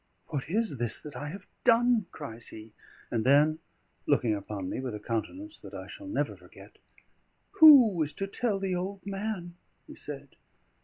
"What is this that I have done?" cries he, and then looking upon me with a countenance that I shall never forget, "Who is to tell the old man?" he said.